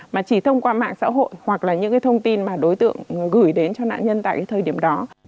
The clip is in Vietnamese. mà chỉ thông qua mạng xã hội hoặc là những cái thông tin mà đối tượng gửi đến cho nạn nhân tại cái thời điểm đó